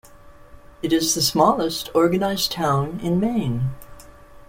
It is the smallest organized town in Maine.